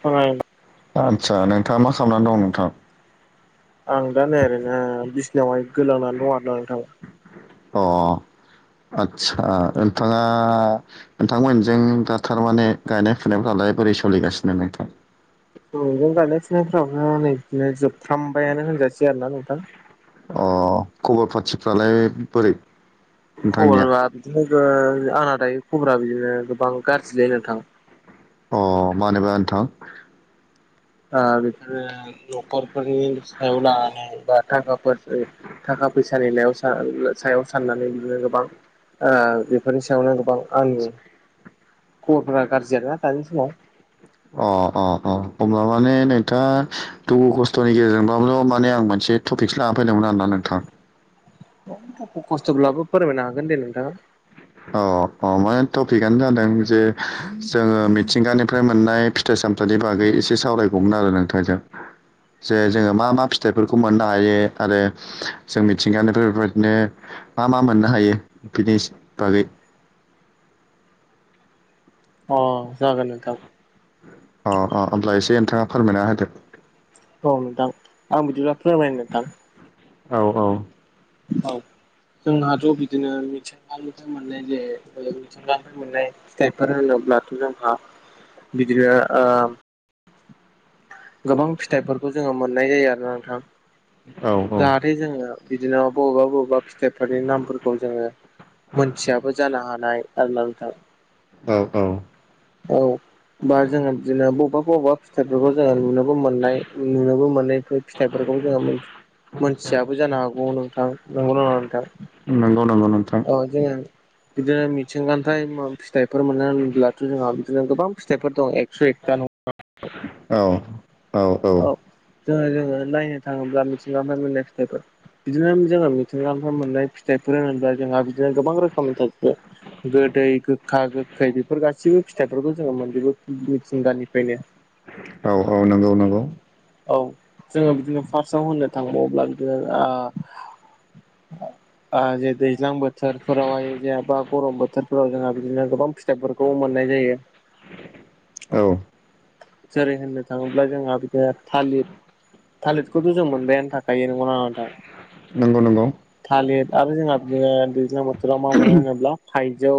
आं आदसा नोंथाङा मा खालामनानै दं नोंथां? आं दा नै आरैनो बिसिनायावहाय गोलांनानै दं आरोना नोंथां। अ आदसा नोंथाङा नोंथांमोनजों दा थारमाने गायनाय फुनायफ्रालाय बोरै सोलिगासिनो नोंथां। ओं मैगं गायनाय फुनायफ्राथ नै बिदिनो जोबफ्रामबायानो होनजासै आरोना नोंथां। अ खबर पाथिफ्रालाय बोरै? नोंथांनिया खबरा बिदिनो आंना नै खबरा बिदिनो गोबां गाज्रि लै नोंथां। अ मानोबा नोंथां? ओ बेफोरो न'खरफोरनि सायाव लानानै बा थाखाफोर थाखा फैसानियाव सायाव साननानै बिदिनो गोबां ओ बेफोरनि सायावनो गोबां आंनि खबरफोरा गाज्रि आरोना दानि समाव अ अ अ हब्ला माने नोंथाङा दुखु खस्थ'नि गेजेरजोंबाबल' माने आं मोनसे थपिकस लाना फैदोंमोन आरोना नोंथां। दुखु खस्थ'ब्लाबो फोरमायनो हागोन दे नोंथाङा। औ अ माने टपिकआनो जादों जे जोङो मिथिंगानिफ्राय मोननाय फिथाइ सामथाइनि बागै एसे सावरायगौमोन आरो नोंथांजों। जे जोङो मा मा फिथाइफोरखौ मोननो हायो आरो जों मिथिंगानिफ्राय बेफोर बादनो मा मा मोननो हायो बिनिस बागै अ जागोन नोंथां। अ अ ओमब्ला एसे ओनथाङा फोरमायना होदो। अ नोंथां आं बिदिब्ला फोरमायनो नोंथां। औ औ जोंहाथ' बिदिनो मिथिंगानि फ्राय मोननाय जे मिथिंगानिफ्राय मोननाय फिथाइफोर होनोब्लाथ' जोंहा बिदिनो ओ गोबां फिथाइफोरखौ जोङो मोननाय जायो आरोना औ नोंथां। जाहाथे जोङो औ बिदिनो बबेबा बबेबा फिथाइफोरनि नामफोरखौ जोङो मोनथियाबो जानो हानाय। आरोना नोंथां। औ औ। औ बा जोङो बिदिनो बबा बबा फिथाइफोरखौ जोङो नुनोबो मोननाय नुनोबो मोननायफोर फिथाइफोरखौबो जोङो मोन मोनथियाबो जानो हागौ नोंथां नोंगौना नोङा नोंथां। नोंगौ नोंगौ नोंथा औ जोङो बिदिनो मिथिंगानिथाइ मा फिथाइफोर मोनो होनब्लाथ' जोंहा दिनो गोबां फिथायफोर दं एस' एथा न' औ औ औ। जोङो जोङो नायनो थाङोब्ला मिथिंगा निफाय मोननाय फिथाइफोर बिदिनो जोङो मिथिंगा मोननाय फिथाइफोर होनोब्ला जोंहा बिदिनो गोबां रोखोमनि [unintelligible] गोदै गोखा गोखै बेफोर गासिबो फिथाइफोरखौ जोङो मोनजोबो मिथिंगानिफ्रायनो। औ औ नोंगौ नोंगौ। औ जोङो बिदिनो फार्स्टआव होन्नो थांबाव्ला बिदिनो ओ [inaudible] ओ जे दैज्लां बोथोरफोरावहाय जेआबा गरम बोथोरफोराव जोंहा बिदिनो गोबां फिथाइफोरखौ मोननाय जायो। औ जेरै होननो थाङोब्ला जोंहा बिदिनो थालिद थालिदखौथ' जों मोनबायानो थाखायो। नंगौना नङा नोंथां? नोंगौ नोंगौ। थालिर आरो जोंना बिदिनो दैज्लां बोथोराव मा मोनो होनोब्ला थाइजौ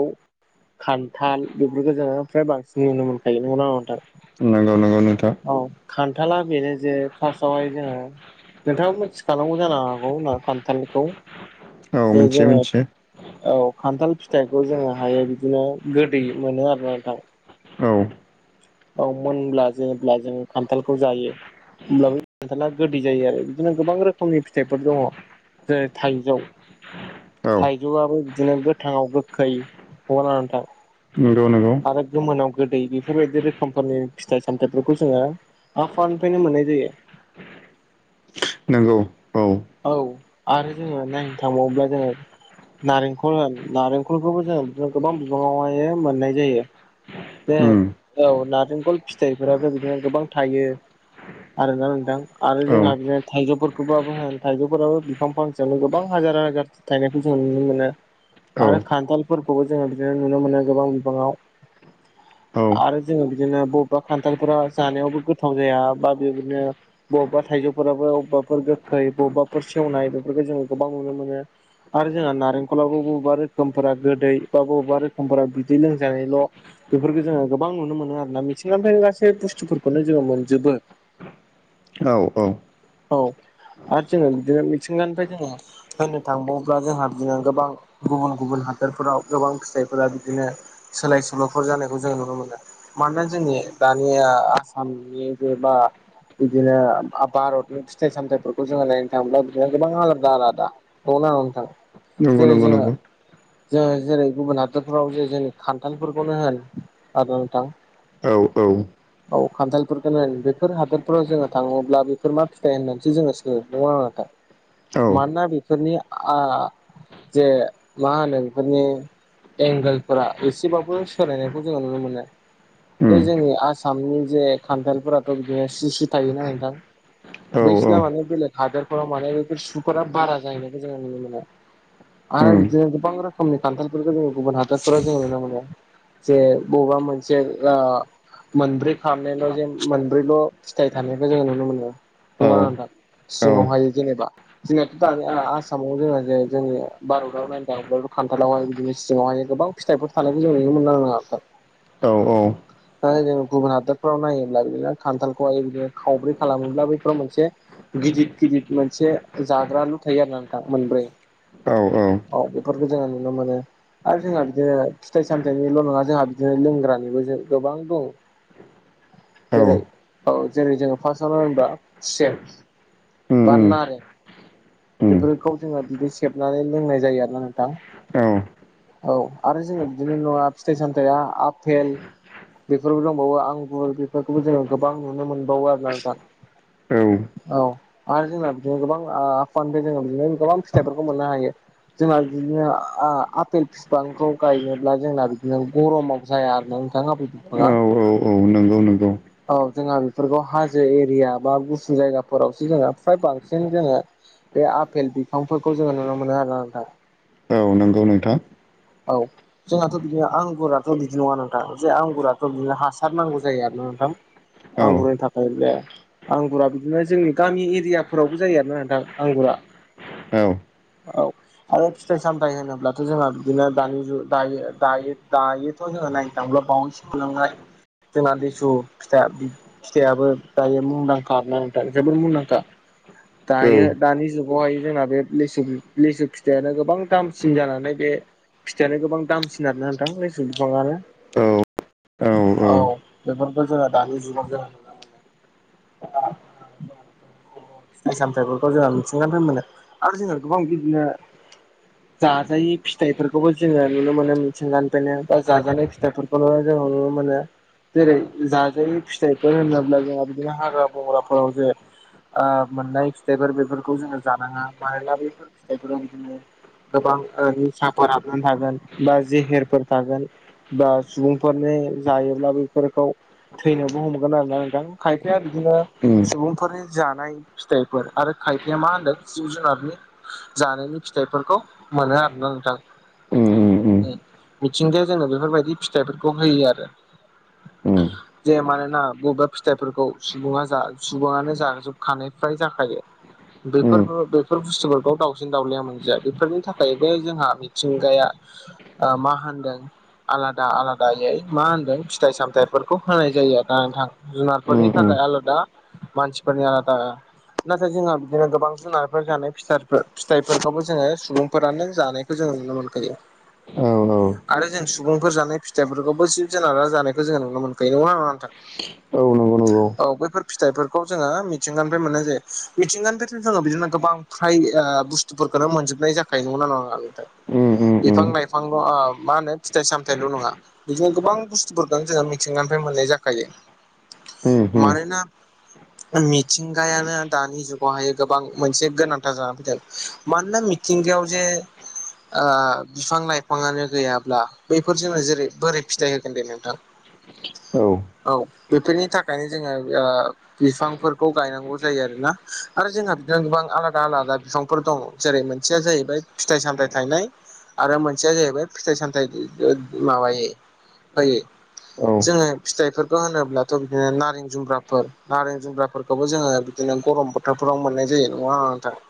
खान्थाल बेफोरखौ जोङो फ्राय बांसिन नुनो मोनखायो नंगौना नोंथां? नोंगौ नोंगौ नोंथा। औ खान्थाला बेनो जे फार्स्टआवहाय जोङो नोंथाङाबो मोनथिखानांगौ जानो हागौ ना खान्थालखौ औ जे मिथियो जोङो मिथियो औ खान्थाल फिथाइखौ जोङो हायो बिदिनो गोदै मोनो आरोना नोंथां। औ औ मोनब्ला जेब्ला जोङो खान्थालखौ जायो। होमब्लाबो खान्थाला गोदै जायो आरो बिदिनो गोबां रोखोमनि फिथाइफोर दङ। जेरै थाइजौ [inaudible] औ थाइजौआबो बिदिनो गोथाङाव गोख्खै नंगौ ना नङा नोंथां? नोंगौ नोंगौ। आरो गोमोनाव गोदै बेफोरबायदि रोखोमफोरनि फिथाइ सामथाइफोरखौ जोङो आफानिफ्रायनो मोननाय जायो। नोंगौ। औ आरो जोङो नायनो थांबावोब्ला जोङो नारेंखल होन नारेंखलखौबो जों बिदिनो गोबां बिबाङावहाय मोननाय जायो। जे उम औ नारेंखल फिथाइफोरथ' बिदिनो गोबां थायो आरोना नोंथां आरो औ जोंहा बिदिनो थाइजौ फोरखौबाबो होन थाइजौफोराबो बिफां फांसेयावनो गोबां हाजार हाजार थायनायखौ जोंङो नुनो मोनो। औ आरो खान्थालफोरखौबो जोङो बिदिनो नुनो मोनो गोबां बिबाङाव। आरो जोङो बिदिनो बबेबा खान्थालफोरा जानायावबो गोथाव जाया बा बेदिनो बबेबा थाइजौफोराबो अबबा गोखै बबाफोर सेवनाय बेफोरखौ जोङो गोबां नुनो मोनो आरो जोंहा नारें खलावबो बबेबा रोखोमफोरा गोदै बा बबेबा रोखोमफोरा बिदै लोंजानायल' बेफोरखौ जोङो गोबां नुनो मोनो आरो ना मिथिंगानिफ्रायनो गासै बुस्थुफोरखौनो जोङो मोनजोबो। औ औ औ आरो जोङो बिदिनो मिथिंगानिफ्राय जोङो होननो थांबावोब्ला जोंहा बिदिनो गोबां गुबुन गुबुन हादरफोराव गोबां फिथाइफोरा बिदिनो सोलाय सोल'फोर जानायखौ जों नुनो मोनो। मानोना जोंनि दानिया आसामनि जेबा बिदिनो भारतनि फिथाइ सामथायाइफोरखौ जोङो नायनो थाङोब्ला बिदिनो गोबां आलादा आलादा दङ ना नोंथां नंगौ जेरै नंगौ जोङो नंगौ जोङो जेरै गुबुन हादोरफोराव जे जोंनि खान्थालफोरखौनो होन आ नोंथां औ औ औ खान्थालफोरखोनो होन बेफोर हादोरफोराव जोङो थाङोब्ला बेफोर मा फिथाइ होननानैसो जोङो नङा [unintelligible] मानोना बि फोरनि जे मा होनो बेफोरनि एंगोलफोरा एसेबाबो सोलायनायखौ जोङो नुनो मोनो। बे जोंनि आसामनि जे खान्थालफोराथ' बिदिनो सुसो थायोना उम नोंथां। औ बैसिना माने बेलेग हादोरफोराव माने बेफोर सुफोरा बारा जायो। उम [unintelligible] गोबां रोखाम खोमनि खान्थालफोरखौ जोङो गुबुन हादरफोराव जोङो नुनो मोनो जे बबेबा मोनसे मोनब्रै खालामनायल' जे मोनब्रैल' फिथाइ थानायखौ जोङो नुनो मोनो नङा नोंथां? औ औ सिङावहाय जेनेबा जोंनाथ' दानि आस आसामाव जोंहा जे जोंनि भारताव नायदो आं बै खान्थालावहाय बिदिनो सिङावहाय गोबां फिथाइफोर थानायखौ जों नुनो मोनना नङा नोंथां औ औ [unintelligible] जों गुबुन हादोरफोराव नायोब्ला बिदिनो खान्थालखौहाय बिदिनो खावब्रै खालामोब्ला बैफोराव मोनसे गिदिद गिदिद मोनसे जाग्राालु थायो आरो नाोंथां मोनब्रै औ औ माव बेफोरखौ जोङो नुनो मोनो। आरो जोंहा बिदिनो फिथाइ सामथायाइनिल' नङा जोंहा बिदिनो लोंग्रानिबो जों गोबां दं। जेरै औ जेरै जोङो फार्स्टआवनो होनोबा खुसेर [unintelligible] बेफोरखौ जोङो बिदि सेबनानै लोंनाय जायो आरोोना नोंथां। औ आरो जोङो बिदिनो नङा फिथाइ सामथाया आ-आफपेल बेफोरबो दंबावो आंगुर बेफोरखौबो जोङो गोबां नुनो मोनबावो आरो ना नोंथां। औ आरो जोंना बिदिनो गोबां आफांनिफ्राय जों बिदिनो गोबां फिथाइफोरखौ मोननो हायो। जोंहा बिदिनो आ-आफेल फिथ खौ गायनोब्ला जोंना बिदिनो गरमाव जाया आरो ना नोंथां बिफाङा। औ औ नों नंगौ नंगौ औ जोंहा बेफोरखौ हाजो एरिया बा गुसु जायगा फोरावसो जोङो फ्राय बांसिन जोङो बे आफेल बिफांफोरखौ जोङो नुनो मोनो आरोना नोंथां। औ नोंगौ औ नोंथां औ जोंहाथ' बिदिनो आंगुराथ' बिदि नङाना। जे आंगुराथ' बिदिनो हासार नांगौ जायो आरो ना नोंथां‌। औ आंगुरनि थाखाय [unintelligible] आंगुरा बि जोंनि गामि एरियाफोरावबो जायो आरोना नोंथां आंगुरा। औ। आरो फिथाइ सामथायाइ होनोब्लाथ' जोंहा बिदिनो दानि जुग दायो-दायो-दायो थ' जोङो नायनो थांब्ला बावनो से [unintelligible] लांनाय जोंना लेसु फिथ फिथाइाबो दायो मुंदांखा आरो ना जोबद मुंदांखा औ दायो दानि जुग बावहाय जोंना बे लिसु लिसु फिथाइयानो गोबां दामसिन जानानै बे फिथाइयानो गोबां दामसिन आरोना नोंथां लिसु बिफाङानो। औ औ बेफोरखौ जोङो दानि जुगाव जानला मोनला [inaudible] फिथाइ सामथायाइफोरखौ जों मिथिंगानिफ्राय मोनो आरो जोंना गोबां बिदिनो जाजायै फिथाइफोरखौबो जोङो नुनो मोनो थिंगानिफ्रायनो दा जाजानाय फिथाइफोरखौनो जोंङो नुनो मोनो। जेरै जाजाय फिथाइफोर होनोब्ला जोंहा बिदिनो हाग्रा बंग्राफोराव जे आ मोननाय फिथाइफोर बेफोरखौ जोङो जानाङा मानोना बेफोर फिथाइफोराव बिदिनो गोबां ओ निसाहफोर हाबनानै थागोन बा जेहेरफोर थागोन। बा सुबुंफोरनि जायोब्ला बेफोरखौ थैनोबो हमगोन आरोना नोंथां। खायफाया बिदिनो उम सुबुंफोरनि जानाय फिथाइफोर आरो खायफाया मा होनदों जिब जुनारनि जानायनि फिथाइफोरखौ मोनो आरो ना नोंथां। उम ओ। मिथिंगाया जोंनो बेफोरबायदि फिथाइफोरखौ होयो आरो। जे मानोना बबेबा फिथाइफोरखौ सुबुङा जा सुबुङानो जाजोबखानाय फ्राय जाखायो। उम बेफो बेफोर बुस्थुफोरखौ दावसिन दावउलिया मोनजाया बेफोरनि थाखायबो जोंहा मिथिंगाया आ मा होनदों आलादा आलादायै मा होनदों फिथाइ सामथायाइफोरखौ होनाय जायो आरो ना नोंथां। जुनारफोरनि उम उम थाखाय आलादा मानसिफोरनि आलादा। नाथाय जोंहा बिदिनो गोबां जुनारफोर फाथारफोर फिथाइफोरखौबो जोङो सुबुंफोरानो जानाय खौ जोङो नुनो मोनखायो। औ औ। आरो जों सुबुंफोर जानाय फिथाइफोरखौबो जिब जुनार जानायखौ जोंङो नुनो मोनखायो। नंगौना नङा नोंथां? औ नंगौ नंगौ औ बैफोर फिथाइफोरखौ जोङो मिथिंगानिफ्राय मोननाय जायो। मिथिंगानिफ्रायथ' जोङो बिदिनो गोबां फ्राय ओ बुस बुस्थुफोरखौनो मोनजोबनाय जाखायो नंगोना नङा नोंथां? उम उम उम बिफां लाइफांल' मा होनो फिथाइ सामथायल' नङा। बिदिनो गोबां बुस्थुफोरफोरखौ जोङो मिथिंगानिफ्राय मोननाय जाखायो। होम होम मानोना मिथिंगायानो दानि जुगावहाय गोबां मोनसे गोनांथार जानानै फैदों मानोना मि थिंगायाव जे बिफां लाइफाङानो गैयाब्ला बैफोर जोंनो जेरै बोरै फिथाइ होगोन दे नोंथां? [inaudible] औ बेफोरनि थाखायनो जोङो ओ बिफांफोरखौ गायनांगौ जायो आरोना आरो जोंहा बिदिनो गोबां आलादा आलादा बिफांफोर दङ जेरै मोनसेया जाहैबाय फिथाइ सामथाइ थाइनाय आरो मोनसेया जाहैबाय फिथाइ सामथाय माबायै होयै। औ जोङो फिथाइफोरखौ होनोब्लाथ' बिदिनो नारें जुम्ब्रा फोर नारें जुमब्राफोरखौबो जोङो बिदिनो गरम बोथोरफोराव मोननाय जायो। नंगौना नङा नोंथां?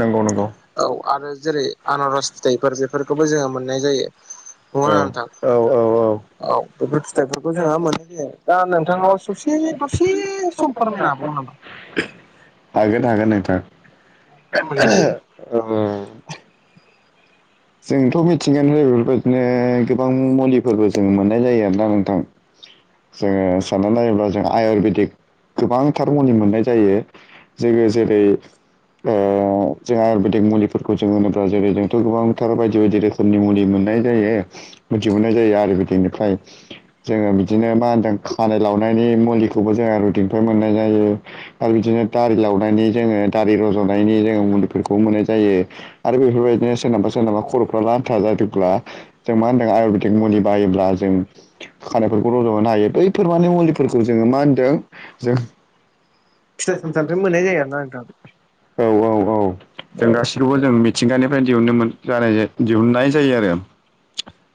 नंगौ नंगौ औ आरो जेरै आनारस फिथाइफोर बेफोरखौबो जोङो मोननाय जायो। नंगौना औ नङा नोंथां? औ औ औ बेफोर फिथाइफोरखौ जोंहा मोनाय जायो। दा नोंथांनाव ससे दसे सम फोरमायनो हाबावगोन नामा? हागोन हागोन नोंथां फिथाइ उम जोंथ' मिथिगोन बेफोरबायदिनो गोबां मुलिफोरबो जों मोननाय जायो आरोना नोंथां। जोङो सानना नायोब्ला जों आयुरवेदिक गोबांथार मुलि मोननाय जायो। जोङो जेरै आ जों आयुरवेदिक मुलिफोरखौ जों होनोब्ला जेरै जोंथ' गोबां थार बायदि बायदि रोखोमनि मुलि मोननाय जायो मिथिहरनाय जायो आरो बिदिनिफ्राय जोङो बिदिनो मा होनदों खानाय लावनायनि मुलिखौबो जोङो आयुरवेदिकनिफ्राय मोननाय जायो। आरो बिदिनो दारि लावनायनि जोङो दारि रज'नायनि जोङो मुलिफोरखौ मोननाय जायो। आरो बेफोरबायदिनो सोरनाबा सोरनाबा खर'फ्रा लानथा जादोंब्ला जों मा होनदों आयुरवेदिक मुलि बायोब्ला जों खानायफोरखौ रज'होनो हायो बैफोर माने मुलिफोरखौ जोङो मा होनदों जों फिथाइ सामथाइनिफ्राय मोननाय जायो आरोना नोंथां। औ औ औ जों गासिखौबो जों मिथिंगानिफ्राय दिहुनोमोन [unintelligible] दिहुननाय जायो आरो।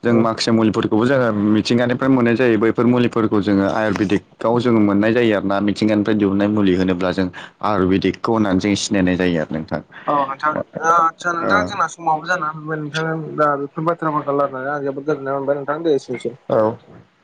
जों औ माखासे मुलिफोरखौबो जोङो मिथिंगानिफ्राय मोननाय जायो बैफोर मुलिफोरखौ जोङो आयुरवेदिक गाव जोङो मोननाय जायो आरोना मिथिंगानिफ्राय दिहुननाय मुलि होनोब्ला जों आयुरवेदिकखौ होननानै जों सिनायनाय जायो आरो नोंथां औ नोंथां ओ। आदसा नोंथां जोंना समाबो जाना फैबाय नोंथां दा बेफोर बाथ्रा फांखौ रायलायनानै आं जोबोद गोजोननाय मोनबाय नोंथां दे एसेनोसै औ औ